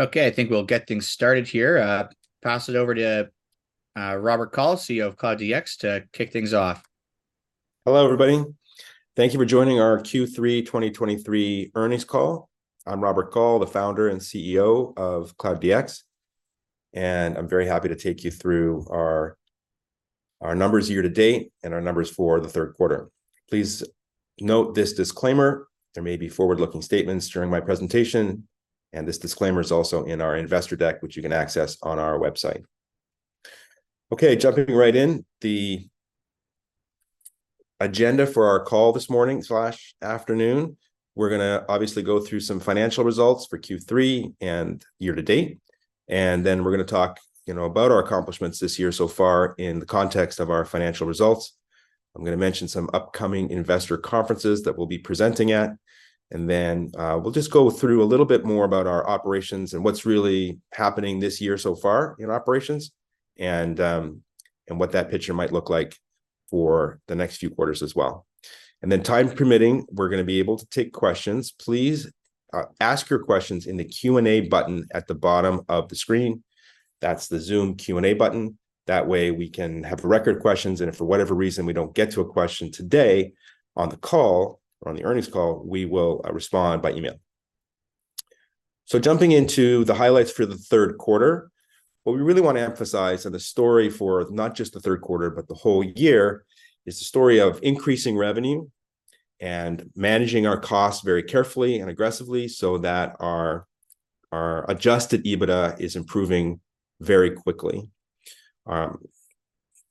Okay, I think we'll get things started here. Pass it over to Robert Kaul, CEO of Cloud DX, to kick things off. Hello, everybody. Thank you for joining our Q3 2023 earnings call. I'm Robert Kaul, the Founder and CEO of Cloud DX, and I'm very happy to take you through our, our numbers year to date and our numbers for the third quarter. Please note this disclaimer. There may be forward-looking statements during my presentation, and this disclaimer is also in our investor deck, which you can access on our website. Okay, jumping right in. The agenda for our call this morning slash afternoon, we're gonna obviously go through some financial results for Q3 and year to date, and then we're gonna talk, you know, about our accomplishments this year so far in the context of our financial results. I'm gonna mention some upcoming investor conferences that we'll be presenting at, and then we'll just go through a little bit more about our operations and what's really happening this year so far in operations, and what that picture might look like for the next few quarters as well. And then time permitting, we're gonna be able to take questions. Please ask your questions in the Q&A button at the bottom of the screen. That's the Zoom Q&A button. That way, we can have the record questions, and if for whatever reason we don't get to a question today on the call, or on the earnings call, we will respond by email. So jumping into the highlights for the third quarter, what we really want to emphasize, and the story for not just the third quarter, but the whole year, is the story of increasing revenue and managing our costs very carefully and aggressively so that our, our Adjusted EBITDA is improving very quickly.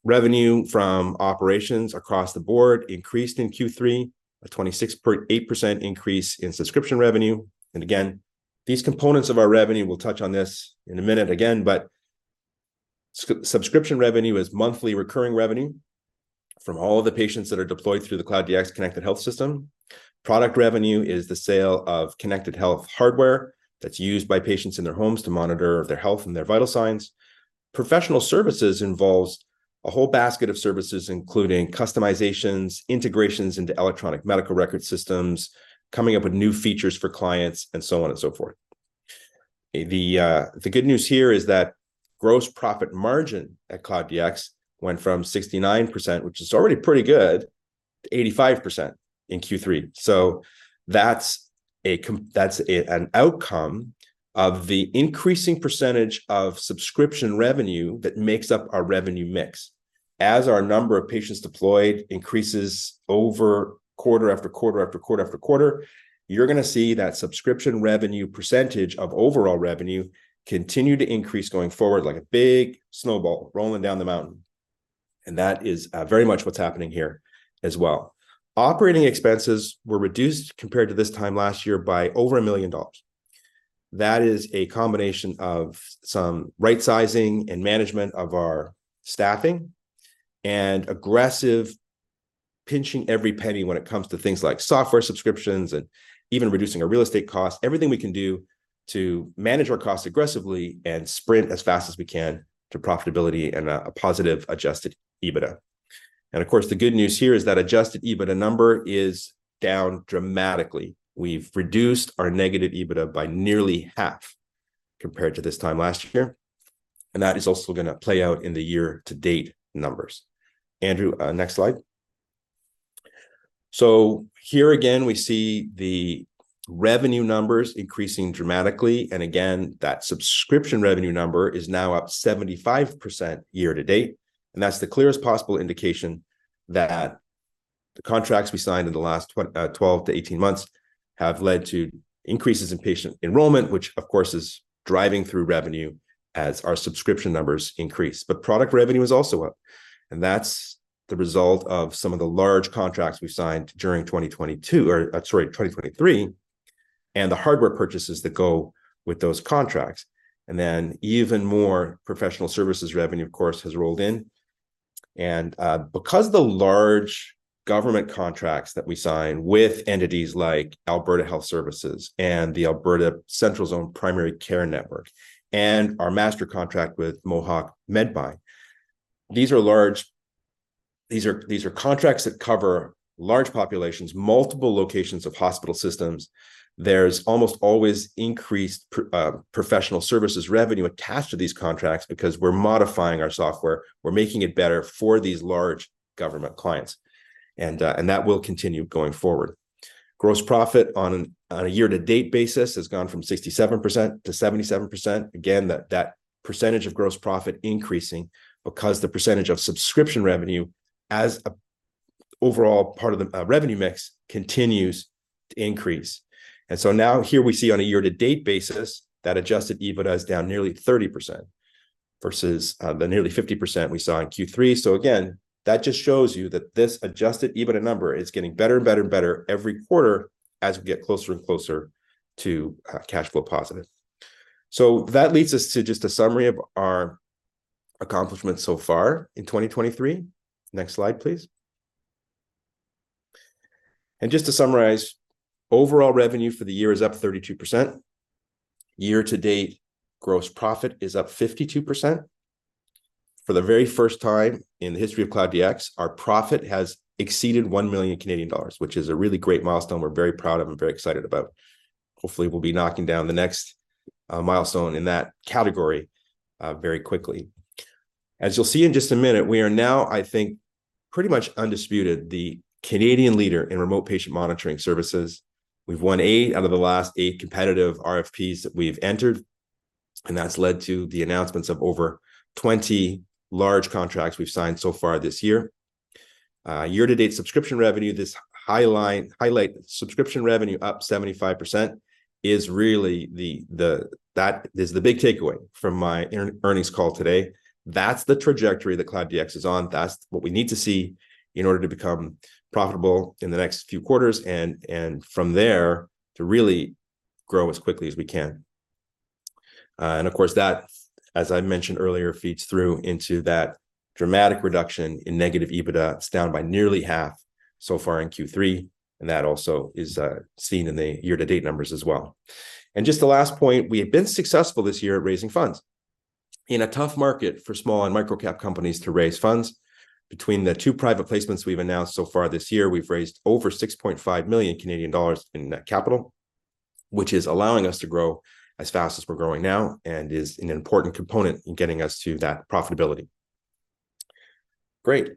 Revenue from operations across the board increased in Q3, a 26.8% increase in subscription revenue. And again, these components of our revenue, we'll touch on this in a minute again, but subscription revenue is monthly recurring revenue from all the patients that are deployed through the Cloud DX Connected Health System. Product revenue is the sale of connected health hardware that's used by patients in their homes to monitor their health and their vital signs. Professional services involves a whole basket of services, including customizations, integrations into electronic medical record systems, coming up with new features for clients, and so on and so forth. The, the good news here is that gross profit margin at Cloud DX went from 69%, which is already pretty good, to 85% in Q3. So that's an outcome of the increasing percentage of subscription revenue that makes up our revenue mix. As our number of patients deployed increases over quarter after quarter after quarter after quarter, you're gonna see that subscription revenue percentage of overall revenue continue to increase going forward like a big snowball rolling down the mountain, and that is, very much what's happening here as well. Operating expenses were reduced compared to this time last year by over 1 million dollars. That is a combination of some right sizing and management of our staffing and aggressive pinching every penny when it comes to things like software subscriptions and even reducing our real estate costs, everything we can do to manage our costs aggressively and sprint as fast as we can to profitability and a positive Adjusted EBITDA. And of course, the good news here is that Adjusted EBITDA number is down dramatically. We've reduced our negative EBITDA by nearly half compared to this time last year, and that is also gonna play out in the year-to-date numbers. Andrew, next slide. So here again, we see the revenue numbers increasing dramatically, and again, that subscription revenue number is now up 75% year to date, and that's the clearest possible indication that the contracts we signed in the last 12 months-18 months have led to increases in patient enrollment, which of course is driving through revenue as our subscription numbers increase. But product revenue is also up, and that's the result of some of the large contracts we signed during 2022, or twenty twenty-three, and the hardware purchases that go with those contracts. And then even more professional services revenue, of course, has rolled in. And because the large government contracts that we sign with entities like Alberta Health Services and the Alberta Central Zone Primary Care Network, and our master contract with Mohawk Medbuy, these are large... These are contracts that cover large populations, multiple locations of hospital systems. There's almost always increased professional services revenue attached to these contracts because we're modifying our software. We're making it better for these large government clients, and, and that will continue going forward. Gross profit on a year-to-date basis has gone from 67% to 77%. Again, that percentage of gross profit increasing because the percentage of subscription revenue as a overall part of the revenue mix continues to increase. And so now here we see on a year-to-date basis, that adjusted EBITDA is down nearly 30% versus the nearly 50% we saw in Q3. So again, that just shows you that this adjusted EBITDA number is getting better and better and better every quarter as we get closer and closer to cash flow positive. So that leads us to just a summary of our accomplishments so far in 2023. Next slide, please. And just to summarize, overall revenue for the year is up 32%. Year to date, gross profit is up 52%. For the very first time in the history of Cloud DX, our profit has exceeded 1 million Canadian dollars, which is a really great milestone we're very proud of and very excited about. Hopefully, we'll be knocking down the next milestone in that category very quickly. As you'll see in just a minute, we are now, I think, pretty much undisputed, the Canadian leader in remote patient monitoring services. We've won 8 out of the last 8 competitive RFPs that we've entered, and that's led to the announcements of over 20 large contracts we've signed so far this year. Year-to-date subscription revenue, this highlight subscription revenue up 75% is really the big takeaway from my earnings call today. That's the trajectory that Cloud DX is on. That's what we need to see in order to become profitable in the next few quarters, and from there, to really grow as quickly as we can. And of course, that, as I mentioned earlier, feeds through into that dramatic reduction in negative EBITDA. It's down by nearly half so far in Q3, and that also is seen in the year-to-date numbers as well. Just the last point, we have been successful this year at raising funds. In a tough market for small and micro-cap companies to raise funds, between the two private placements we've announced so far this year, we've raised over 6.5 million Canadian dollars in net capital, which is allowing us to grow as fast as we're growing now and is an important component in getting us to that profitability. Great.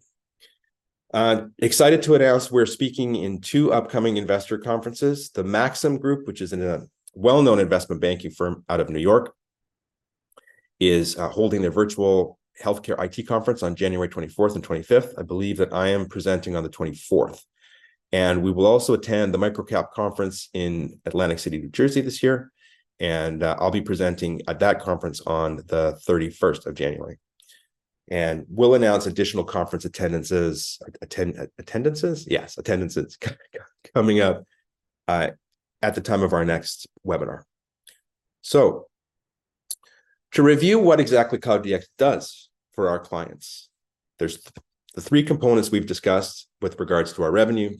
Excited to announce we're speaking in two upcoming investor conferences. The Maxim Group, which is a well-known investment banking firm out of New York, is holding their virtual healthcare IT conference on January 24th and 25th. I believe that I am presenting on the 24th. And we will also attend the MicroCap Conference in Atlantic City, New Jersey, this year, and I'll be presenting at that conference on the 31st of January. And we'll announce additional conference attendances? Yes, announcements coming up at the time of our next webinar. So to review what exactly Cloud DX does for our clients, there's the three components we've discussed with regards to our revenue: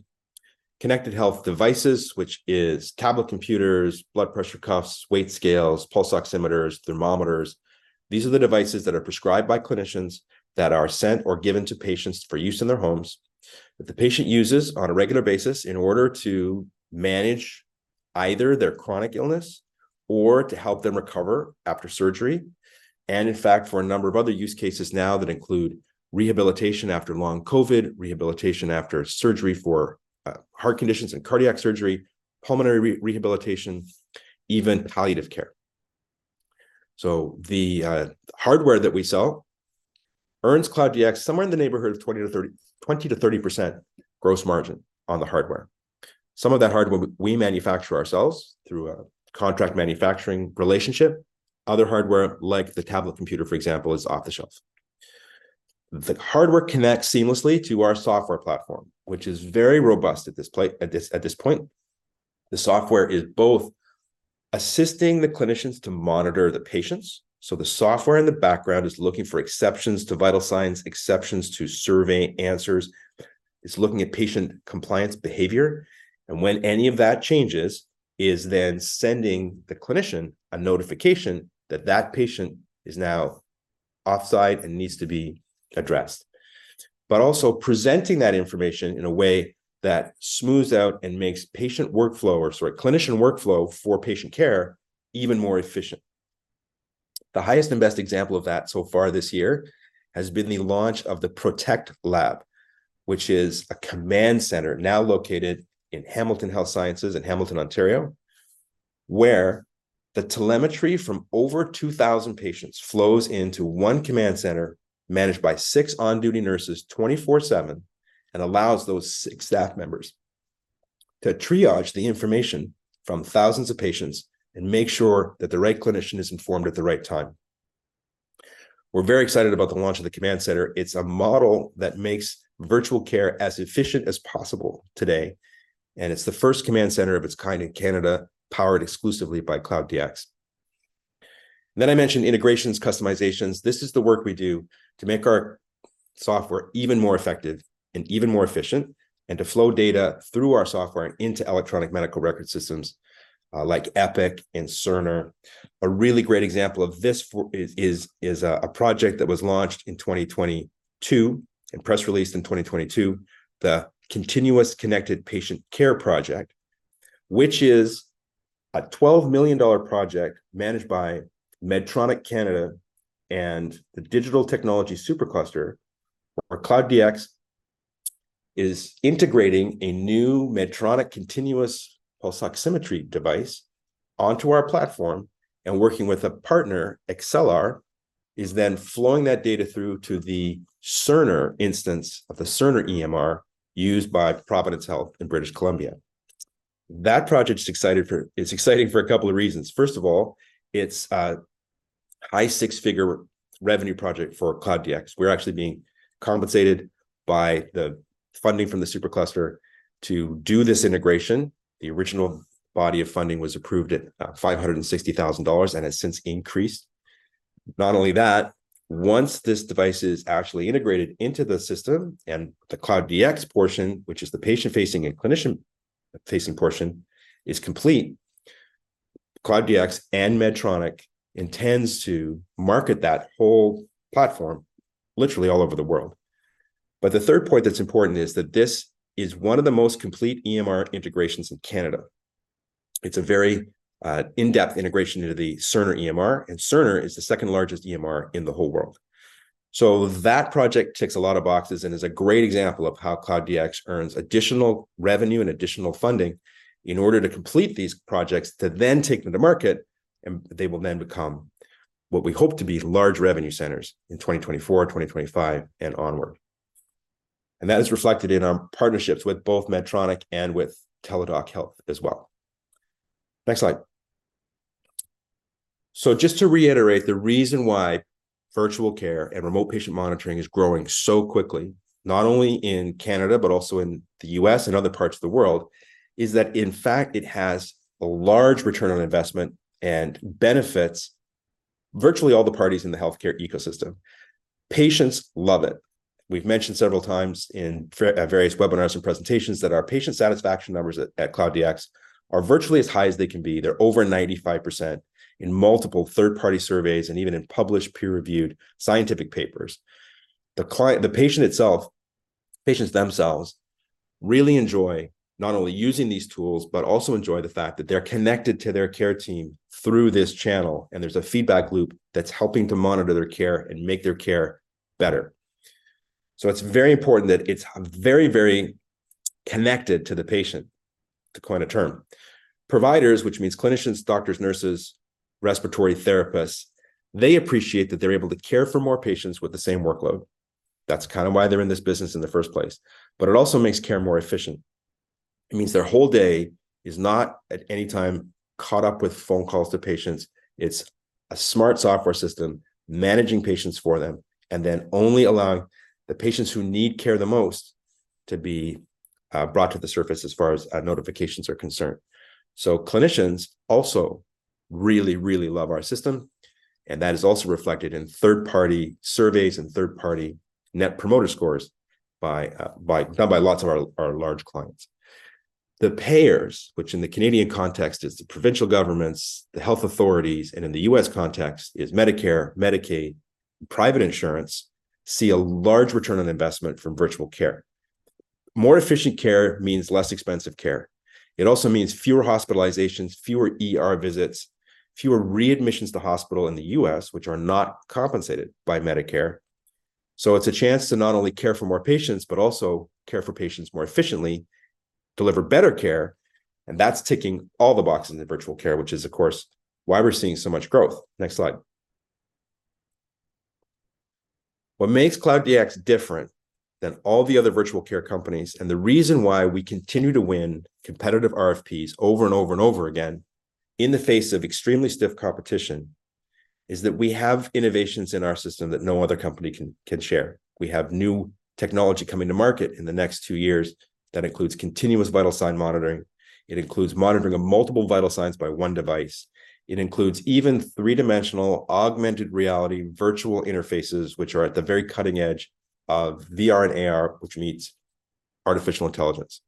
connected health devices, which is tablet computers, blood pressure cuffs, weight scales, pulse oximeters, thermometers. These are the devices that are prescribed by clinicians that are sent or given to patients for use in their homes, that the patient uses on a regular basis in order to manage either their chronic illness or to help them recover after surgery, and in fact, for a number of other use cases now that include rehabilitation after long COVID, rehabilitation after surgery for heart conditions and cardiac surgery, pulmonary rehabilitation, even palliative care. So the hardware that we sell earns Cloud DX somewhere in the neighborhood of 20%-30%, 20%-30% gross margin on the hardware. Some of that hardware, we manufacture ourselves through a contract manufacturing relationship. Other hardware, like the tablet computer, for example, is off the shelf. The hardware connects seamlessly to our software platform, which is very robust at this, at this point. The software is both assisting the clinicians to monitor the patients, so the software in the background is looking for exceptions to vital signs, exceptions to survey answers. It's looking at patient compliance behavior, and when any of that changes, it is then sending the clinician a notification that that patient is now offsite and needs to be addressed. But also presenting that information in a way that smooths out and makes patient workflow, or sorry, clinician workflow for patient care even more efficient. The highest and best example of that so far this year has been the launch of the Protect Lab, which is a command center now located in Hamilton Health Sciences in Hamilton, Ontario, where the telemetry from over 2,000 patients flows into one command center, managed by six on-duty nurses, 24/7, and allows those six staff members to triage the information from thousands of patients and make sure that the right clinician is informed at the right time. We're very excited about the launch of the command center. It's a model that makes virtual care as efficient as possible today, and it's the first command center of its kind in Canada, powered exclusively by Cloud DX. Then I mentioned integrations, customizations. This is the work we do to make our software even more effective and even more efficient, and to flow data through our software and into electronic medical record systems like Epic and Cerner. A really great example of this is a project that was launched in 2022, and press released in 2022, the Continuous Connected Patient Care project, which is a 12 million dollar project managed by Medtronic Canada and the Digital Technology Supercluster, where Cloud DX is integrating a new Medtronic continuous pulse oximetry device onto our platform and working with a partner, Excelar, is then flowing that data through to the Cerner instance of the Cerner EMR used by Providence Health in British Columbia. That project is exciting for a couple of reasons. First of all, it's a high six-figure revenue project for Cloud DX. We're actually being compensated by the funding from the Supercluster to do this integration. The original body of funding was approved at 560,000 dollars and has since increased. Not only that, once this device is actually integrated into the system and the Cloud DX portion, which is the patient-facing and clinician-facing portion, is complete, Cloud DX and Medtronic intends to market that whole platform literally all over the world. But the third point that's important is that this is one of the most complete EMR integrations in Canada. It's a very in-depth integration into the Cerner EMR, and Cerner is the second largest EMR in the whole world. So that project ticks a lot of boxes and is a great example of how Cloud DX earns additional revenue and additional funding in order to complete these projects, to then take them to market, and they will then become what we hope to be large revenue centers in 2024, 2025, and onward. And that is reflected in our partnerships with both Medtronic and with Teladoc Health as well. Next slide. So just to reiterate, the reason why virtual care and remote patient monitoring is growing so quickly, not only in Canada, but also in the U.S. and other parts of the world, is that, in fact, it has a large return on investment and benefits virtually all the parties in the healthcare ecosystem. Patients love it. We've mentioned several times in various webinars and presentations, that our patient satisfaction numbers at Cloud DX are virtually as high as they can be. They're over 95% in multiple third-party surveys and even in published, peer-reviewed scientific papers. The patient itself, patients themselves really enjoy not only using these tools, but also enjoy the fact that they're connected to their care team through this channel, and there's a feedback loop that's helping to monitor their care and make their care better. So it's very important that it's very, very connected to the patient, to coin a term. Providers, which means clinicians, doctors, nurses, respiratory therapists, they appreciate that they're able to care for more patients with the same workload. That's kind of why they're in this business in the first place. But it also makes care more efficient. It means their whole day is not, at any time, caught up with phone calls to patients. It's a smart software system managing patients for them, and then only allowing the patients who need care the most to be brought to the surface as far as notifications are concerned. So clinicians also really, really love our system, and that is also reflected in third-party surveys and third-party Net Promoter Scores done by lots of our large clients. The payers, which in the Canadian context is the provincial governments, the health authorities, and in the U.S. context, is Medicare, Medicaid, private insurance, see a large return on investment from virtual care. More efficient care means less expensive care. It also means fewer hospitalizations, fewer ER visits, fewer readmissions to hospital in the U.S., which are not compensated by Medicare. So it's a chance to not only care for more patients, but also care for patients more efficiently, deliver better care, and that's ticking all the boxes in virtual care, which is, of course, why we're seeing so much growth. Next slide. What makes Cloud DX different than all the other virtual care companies, and the reason why we continue to win competitive RFPs over and over and over again in the face of extremely stiff competition, is that we have innovations in our system that no other company can share. We have new technology coming to market in the next two years. That includes continuous vital sign monitoring. It includes monitoring of multiple vital signs by one device. It includes even three-dimensional, augmented reality, virtual interfaces, which are at the very cutting edge of VR and AR, which means artificial intelligence.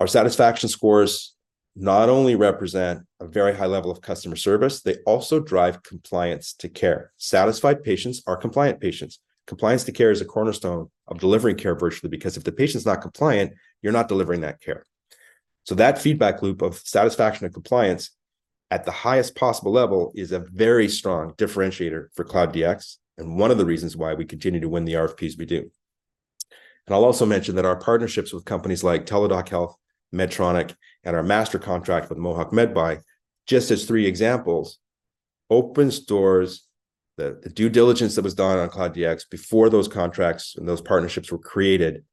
Our satisfaction scores not only represent a very high level of customer service, they also drive compliance to care. Satisfied patients are compliant patients. Compliance to care is a cornerstone of delivering care virtually because if the patient's not compliant, you're not delivering that care. So that feedback loop of satisfaction and compliance at the highest possible level is a very strong differentiator for Cloud DX, and one of the reasons why we continue to win the RFPs we do. And I'll also mention that our partnerships with companies like Teladoc Health, Medtronic, and our master contract with Mohawk Medbuy, just as three examples, open doors. The due diligence that was done on Cloud DX before those contracts and those partnerships were created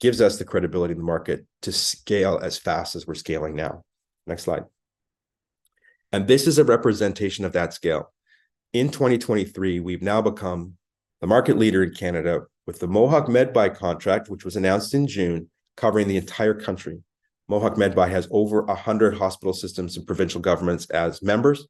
gives us the credibility in the market to scale as fast as we're scaling now. Next slide. And this is a representation of that scale. In 2023, we've now become the market leader in Canada with the Mohawk MedBuy contract, which was announced in June, covering the entire country. Mohawk MedBuy has over 100 hospital systems and provincial governments as members.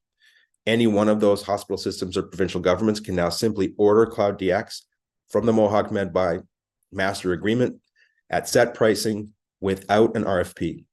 Any one of those hospital systems or provincial governments can now simply order Cloud DX from the Mohawk MedBuy master agreement at set pricing without an RFP.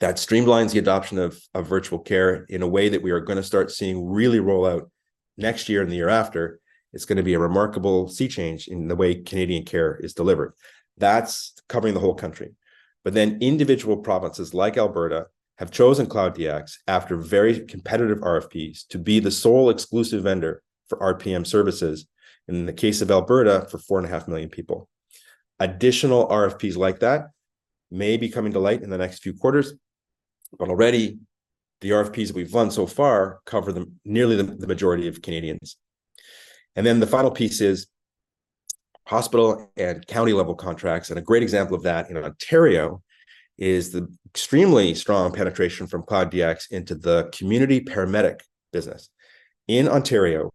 That streamlines the adoption of virtual care in a way that we are gonna start seeing really roll out next year and the year after. It's gonna be a remarkable sea change in the way Canadian care is delivered. That's covering the whole country. But then, individual provinces like Alberta have chosen Cloud DX after very competitive RFPs to be the sole exclusive vendor for RPM services, and in the case of Alberta, for 4.5 million people. Additional RFPs like that may be coming to light in the next few quarters, but already, the RFPs we've won so far cover nearly the majority of Canadians. And then the final piece is hospital and county-level contracts, and a great example of that in Ontario is the extremely strong penetration from Cloud DX into the community paramedic business. In Ontario,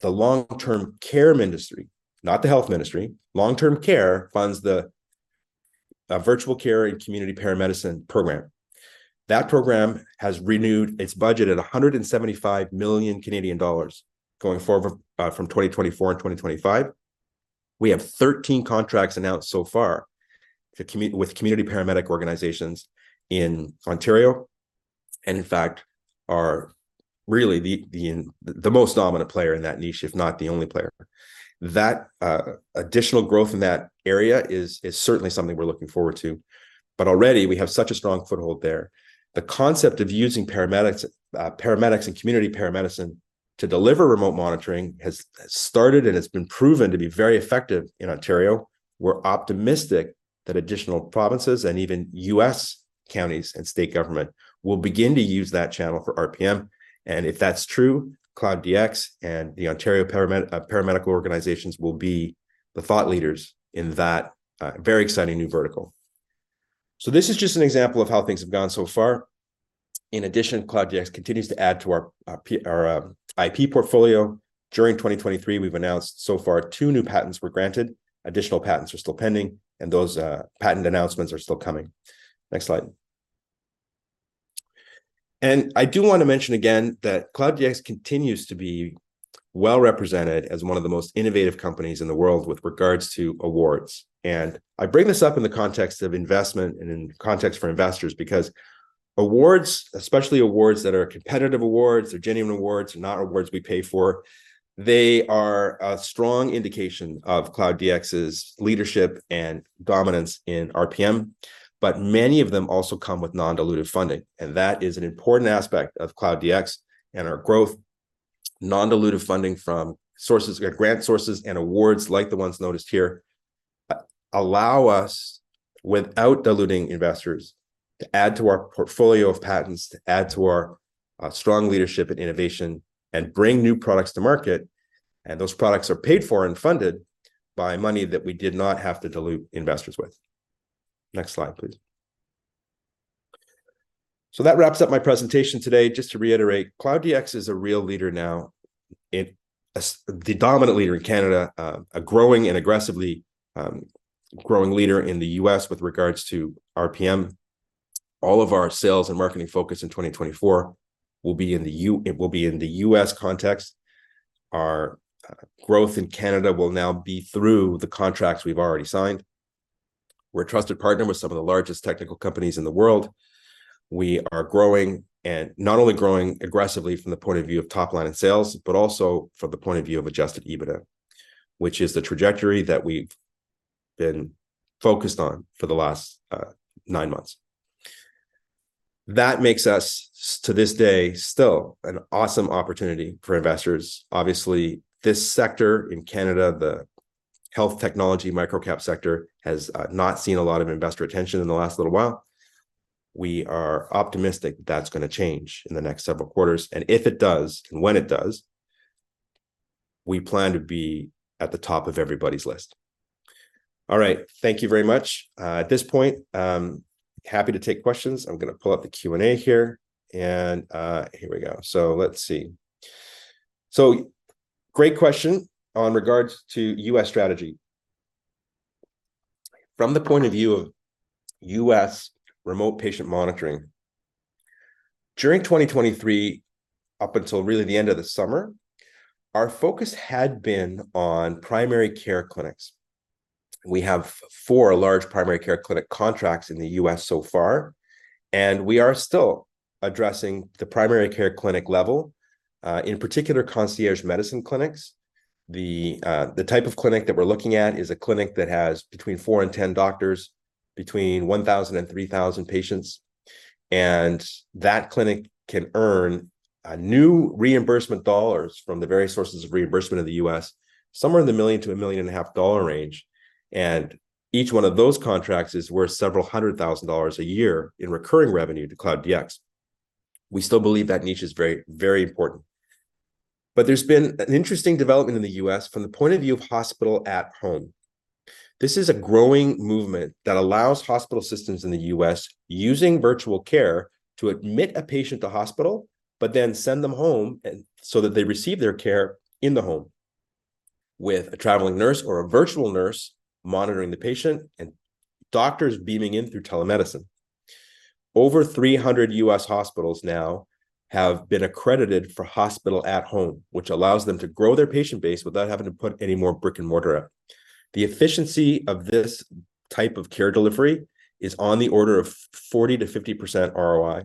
the long-term care ministry, not the health ministry, long-term care funds the virtual care and community paramedicine program. That program has renewed its budget at 175 million Canadian dollars going forward from 2024 and 2025. We have 13 contracts announced so far with community paramedic organizations in Ontario, and in fact, are really the most dominant player in that niche, if not the only player. That, additional growth in that area is certainly something we're looking forward to, but already we have such a strong foothold there. The concept of using paramedics, paramedics and community paramedicine to deliver remote monitoring has started and has been proven to be very effective in Ontario. We're optimistic that additional provinces and even U.S. counties and state government will begin to use that channel for RPM, and if that's true, Cloud DX and the Ontario paramedical organizations will be the thought leaders in that very exciting new vertical. So this is just an example of how things have gone so far. In addition, Cloud DX continues to add to our IP portfolio. During 2023, we've announced so far two new patents were granted. Additional patents are still pending, and those patent announcements are still coming. Next slide. I do wanna mention again that Cloud DX continues to be well-represented as one of the most innovative companies in the world with regards to awards. I bring this up in the context of investment and in context for investors, because awards, especially awards that are competitive awards or genuine awards, are not awards we pay for. They are a strong indication of Cloud DX's leadership and dominance in RPM, but many of them also come with non-dilutive funding, and that is an important aspect of Cloud DX and our growth. Non-dilutive funding from sources... grant sources and awards, like the ones noticed here, allow us, without diluting investors, to add to our portfolio of patents, to add to our strong leadership and innovation, and bring new products to market. Those products are paid for and funded by money that we did not have to dilute investors with. Next slide, please. That wraps up my presentation today. Just to reiterate, Cloud DX is a real leader now. As the dominant leader in Canada, a growing and aggressively growing leader in the US with regards to RPM. All of our sales and marketing focus in 2024 will be in the US context. Our growth in Canada will now be through the contracts we've already signed. We're a trusted partner with some of the largest technical companies in the world. We are growing, and not only growing aggressively from the point of view of top line in sales, but also from the point of view of Adjusted EBITDA, which is the trajectory that we've been focused on for the last nine months. That makes us to this day still an awesome opportunity for investors. Obviously, this sector in Canada, the health technology micro-cap sector, has not seen a lot of investor attention in the last little while. We are optimistic that's gonna change in the next several quarters, and if it does, and when it does, we plan to be at the top of everybody's list. All right, thank you very much. At this point, I'm happy to take questions. I'm gonna pull up the Q&A here, and here we go. So let's see. So great question on regards to U.S. strategy. From the point of view of U.S. remote patient monitoring, during 2023, up until really the end of the summer, our focus had been on primary care clinics. We have four large primary care clinic contracts in the U.S. so far, and we are still addressing the primary care clinic level, in particular, concierge medicine clinics. The, the type of clinic that we're looking at is a clinic that has between four and 10 doctors, between 1,000 and 3,000 patients. That clinic can earn new reimbursement dollars from the various sources of reimbursement in the U.S., somewhere in the $1 million-$1.5 million range. Each one of those contracts is worth several $100,000 a year in recurring revenue to Cloud DX. We still believe that niche is very, very important. There's been an interesting development in the U.S. from the point of view of Hospital at Home. This is a growing movement that allows hospital systems in the U.S. using virtual care to admit a patient to hospital, but then send them home, and so that they receive their care in the home with a traveling nurse or a virtual nurse monitoring the patient, and doctors beaming in through telemedicine. Over 300 U.S. hospitals now have been accredited for Hospital at Home, which allows them to grow their patient base without having to put any more brick-and-mortar up. The efficiency of this type of care delivery is on the order of 40%-50% ROI.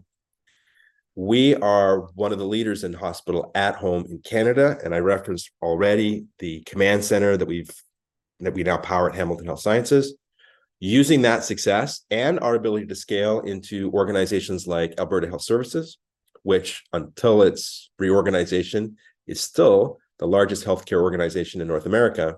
We are one of the leaders in Hospital at Home in Canada, and I referenced already the command center that we now power at Hamilton Health Sciences. Using that success and our ability to scale into organizations like Alberta Health Services, which, until its reorganization, is still the largest healthcare organization in North America.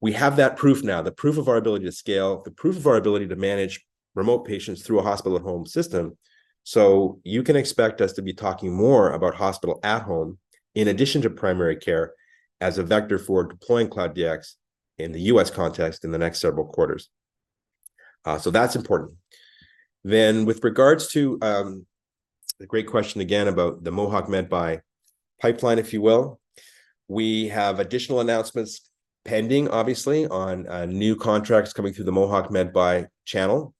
We have that proof now, the proof of our ability to scale, the proof of our ability to manage remote patients through a Hospital at Home system. So you can expect us to be talking more about Hospital at Home, in addition to primary care, as a vector for deploying Cloud DX in the U.S. context in the next several quarters. So that's important. Then, with regards to, the great question again about the Mohawk Medbuy pipeline, if you will, we have additional announcements pending, obviously, on, new contracts coming through the Mohawk Medbuy channel.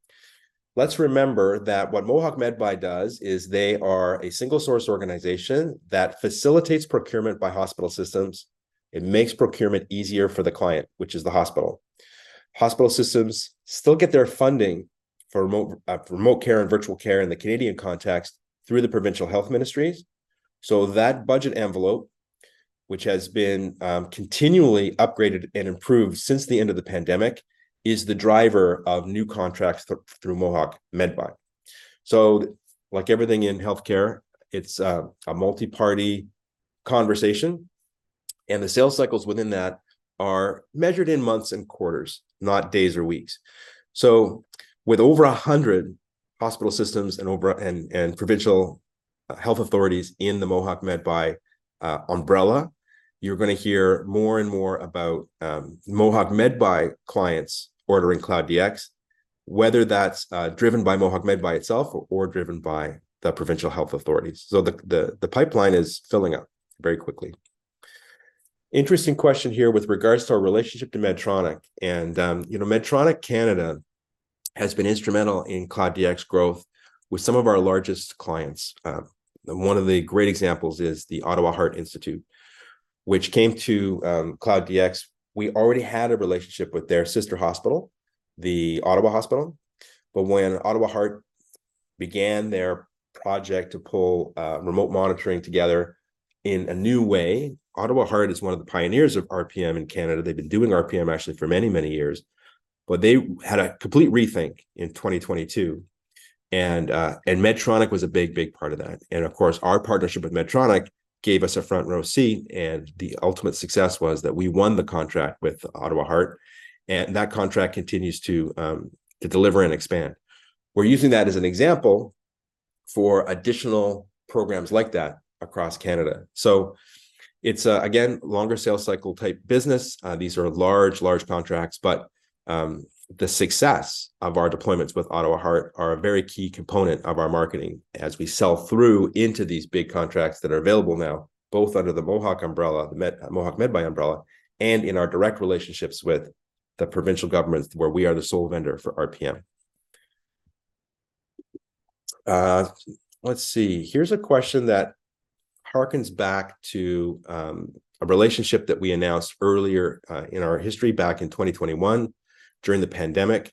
Let's remember that what Mohawk Medbuy does is they are a single source organization that facilitates procurement by hospital systems. It makes procurement easier for the client, which is the hospital. Hospital systems still get their funding for remote care and virtual care in the Canadian context through the provincial health ministries. So that budget envelope, which has been continually upgraded and improved since the end of the pandemic, is the driver of new contracts through Mohawk Medbuy. So like everything in healthcare, it's a multi-party conversation, and the sales cycles within that are measured in months and quarters, not days or weeks. So with over 100 hospital systems and over 100 provincial health authorities in the Mohawk Medbuy umbrella, you're gonna hear more and more about Mohawk Medbuy clients ordering Cloud DX, whether that's driven by Mohawk Medbuy itself or driven by the provincial health authorities. So the pipeline is filling up very quickly. Interesting question here with regards to our relationship to Medtronic and, you know, Medtronic Canada has been instrumental in Cloud DX growth with some of our largest clients. And one of the great examples is the Ottawa Heart Institute, which came to, Cloud DX. We already had a relationship with their sister hospital, the Ottawa Hospital, but when Ottawa Heart began their project to pull, remote monitoring together in a new way... Ottawa Heart is one of the pioneers of RPM in Canada. They've been doing RPM actually for many, many years, but they had a complete rethink in 2022, and, and Medtronic was a big, big part of that. Of course, our partnership with Medtronic gave us a front-row seat, and the ultimate success was that we won the contract with Ottawa Heart, and that contract continues to deliver and expand. We're using that as an example for additional programs like that across Canada. So it's again, longer sales cycle type business. These are large, large contracts, but the success of our deployments with Ottawa Heart are a very key component of our marketing as we sell through into these big contracts that are available now, both under the Mohawk umbrella, the Mohawk Medbuy umbrella, and in our direct relationships with the provincial governments, where we are the sole vendor for RPM. Let's see. Here's a question that harkens back to a relationship that we announced earlier in our history back in 2021, during the pandemic.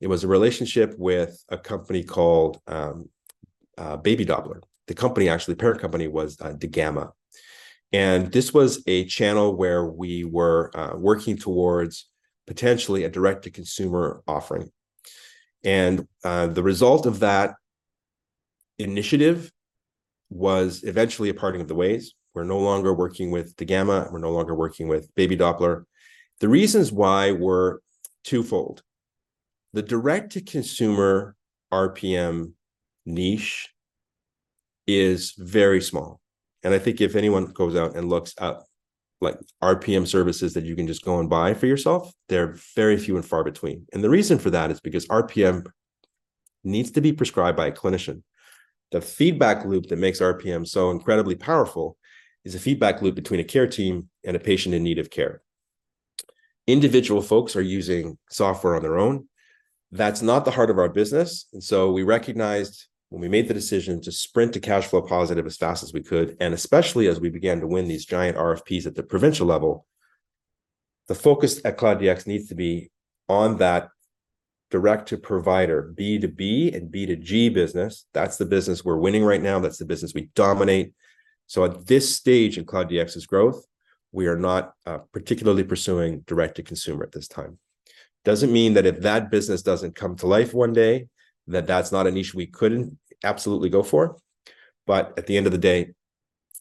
It was a relationship with a company called Baby Doppler. The company, actually, parent company was Dagamma, and this was a channel where we were working towards potentially a direct-to-consumer offering. The result of that initiative was eventually a parting of the ways. We're no longer working with Dagamma, and we're no longer working with Baby Doppler. The reasons why were twofold. The direct-to-consumer RPM niche is very small, and I think if anyone goes out and looks up, like, RPM services that you can just go and buy for yourself, they're very few and far between. The reason for that is because RPM needs to be prescribed by a clinician. The feedback loop that makes RPM so incredibly powerful is a feedback loop between a care team and a patient in need of care. Individual folks are using software on their own. That's not the heart of our business, and so we recognized when we made the decision to sprint to cash flow positive as fast as we could, and especially as we began to win these giant RFPs at the provincial level, the focus at Cloud DX needs to be on that direct-to-provider, B2B, and B2G business. That's the business we're winning right now. That's the business we dominate. So at this stage in Cloud DX's growth, we are not particularly pursuing direct-to-consumer at this time. Doesn't mean that if that business doesn't come to life one day, that that's not a niche we couldn't absolutely go for. But at the end of the day,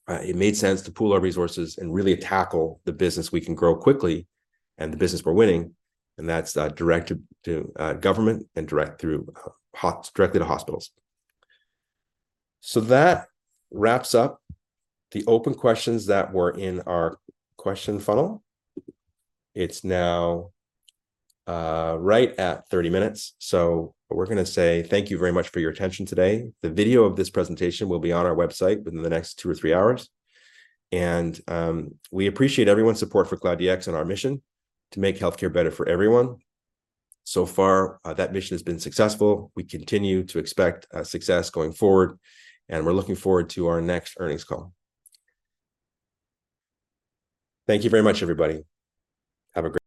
it made sense to pool our resources and really tackle the business we can grow quickly and the business we're winning, and that's direct to government and directly to hospitals. So that wraps up the open questions that were in our question funnel. It's now right at 30 minutes, so we're gonna say thank you very much for your attention today. The video of this presentation will be on our website within the next two or three hours. And we appreciate everyone's support for Cloud DX and our mission to make healthcare better for everyone. So far, that mission has been successful. We continue to expect success going forward, and we're looking forward to our next earnings call. Thank you very much, everybody. Have a great-